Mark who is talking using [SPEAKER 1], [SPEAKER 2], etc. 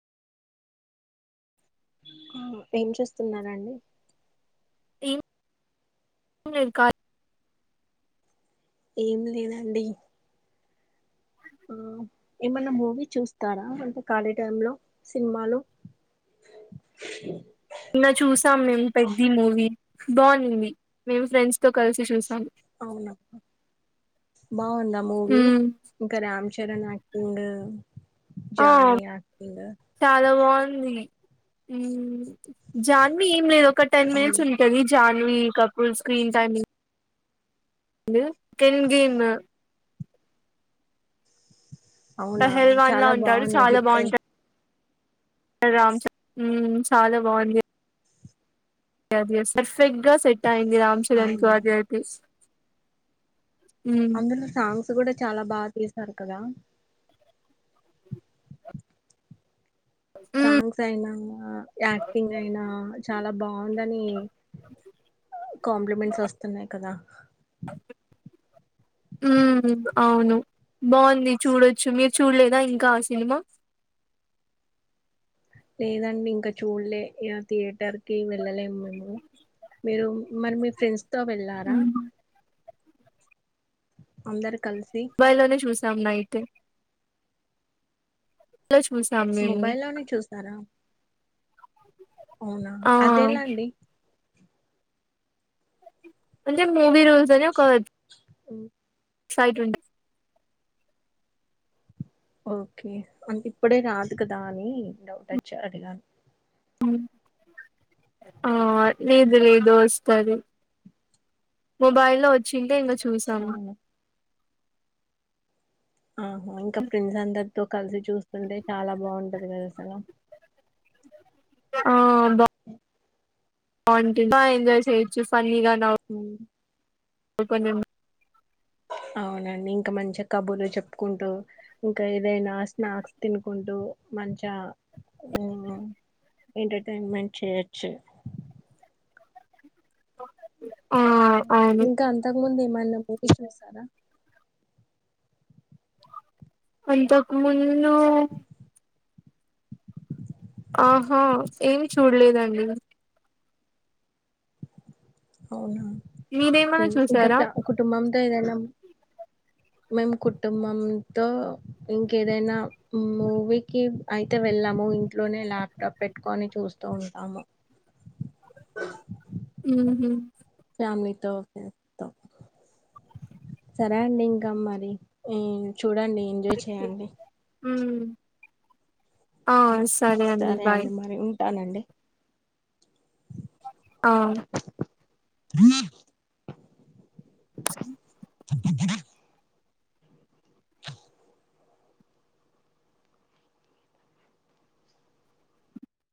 [SPEAKER 1] హ్ ఏం చేస్తున్నారండి
[SPEAKER 2] ఏం లేదు కాలీ
[SPEAKER 1] ఏం లేదండి ఆ ఏమన్నా మూవీ చూస్తారా అంటే ఖాళీ టైం లో సినిమాలు
[SPEAKER 2] నీన్న చూసాం మేం పెద్ది మూవీ బాగుండింది. మేం ఫ్రెండ్స్ తో కలిసి చూసాము
[SPEAKER 1] అవునా బాగుందా మూవీ
[SPEAKER 2] ఉమ్,
[SPEAKER 1] ఇంకా రాం చరన్ ఆక్టింగ్
[SPEAKER 2] ఆ చాలబాగుంది ఉంది ఉ జాన్వి ఏం లేదు ఒక టెన్
[SPEAKER 1] అవును
[SPEAKER 2] మినిట్స్ ఉంటది. Janhvi Kapoor screens timing [unintelligible] Kane గీమ
[SPEAKER 1] అవునా
[SPEAKER 2] పెహల్వాన్ లా
[SPEAKER 1] చాలా
[SPEAKER 2] ఉంటాడు
[SPEAKER 1] బాగుంది
[SPEAKER 2] చాలా
[SPEAKER 1] హిట్ అయి.
[SPEAKER 2] బాగుంటాడ్ రామ్ చే చాలా బాగుంది యావిఎస్గా పర్ఫెక్ట్ గా సెట్ అయింది రామ్ చేరన్ కు
[SPEAKER 1] అవును
[SPEAKER 2] అది అయితే [unintelligible] ఉమ్,
[SPEAKER 1] అందులో సాంగ్స్ కూడా చాలా బాగా తీసారు కదా.
[SPEAKER 2] ఉమ్,
[SPEAKER 1] సాంగ్సయినా యాక్టింగయినా చాలా బాగుందని కాంప్లిమెంట్స్ వస్తున్నాయి కదా
[SPEAKER 2] ఉం అవును బాగుంది చూడొచ్చు మీరు చూడ్ల్లేదా ఇంకా ఆ సినిమా
[SPEAKER 1] లేదండి ఇంకా చూడలే ఇగ థియేటర్ కి వెళ్ళలేము మేము మీరు మరి మీ ఫ్రెండ్స్ తో వెళ్ళారా
[SPEAKER 2] ఉమ్.
[SPEAKER 1] అందరు కలిసి
[SPEAKER 2] బైలోనే చూసాం నైటు చూసాం మేము
[SPEAKER 1] మొబై లోనే చూస్తారా అవునా
[SPEAKER 2] ఆ
[SPEAKER 1] అదేలా అండి
[SPEAKER 2] అంటే మూవీ రూల్స్ అని ఒక
[SPEAKER 1] ఉమ్,
[SPEAKER 2] సైట్ ఉంట
[SPEAKER 1] ఓకే అంటే ఇప్పుడే రాదు కదా అని డౌట్ వచ్చి అడిగాను
[SPEAKER 2] ఆ లేదు లేదు వస్తది మొబైల్లో వచ్చింటే ఇంగ చూసాము
[SPEAKER 1] అవును ఆహా ఇంకా ఫ్రెండ్స్ అందరితో కలిసి చూస్తుంటే చాలా బాగుంటది కదా అసలు
[SPEAKER 2] [inaudible] ఆ బా బాగుంట్. ఎంజాయ్ చేయిచ్చు ఫన్నీగా.
[SPEAKER 1] ఉం
[SPEAKER 2] కొంచెం [unintelligible]
[SPEAKER 1] అవునండి ఇంకా మంచిగా కబుర్లు చెప్పుకుంటూ ఇంకా ఏదైనా స్నాక్స్ తినుకుంటు. డు మంచ ఎంటర్టైన్మెంట్ చేయచ్చు
[SPEAKER 2] ఆ అవును
[SPEAKER 1] ఇంకా అంతకు ముందు ఏమైన్నా మూవీ చూసారా
[SPEAKER 2] అంతకు ముందు ఆహా ఏం చూడ్లేదండి
[SPEAKER 1] అవునా
[SPEAKER 2] మీరేమన్నా
[SPEAKER 1] ఉం ఇంకా
[SPEAKER 2] చూసారా
[SPEAKER 1] ప్యా కుటుంబంతో ఏదైనా
[SPEAKER 2] [inaudible]
[SPEAKER 1] మేము కుటుంబంతో ఇంకేదైనా మూవీకి అయితే వెళ్ వెళ్ళము ఇంట్లోనే ల్యాప్టాప్ పెట్టుకొని చూస్తూ ఉంటాము
[SPEAKER 2] వూ హమ్
[SPEAKER 1] శ్యామితోత్త [unintelligible] సరే అండి ఇంకా మరి చూడండి ఎంజాయ్ చేయండి
[SPEAKER 2] ఉం ఆ సరే అండి బాయ్
[SPEAKER 1] వుంటానండి
[SPEAKER 2] ఆ
[SPEAKER 1] ఉన్న..
[SPEAKER 2] [inaudible]
[SPEAKER 1] వైబ్రేటర్.